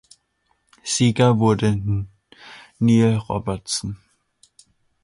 Sieger wurde Neil Robertson.